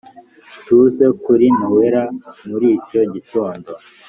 tuze kuri noella muricyo gitondo.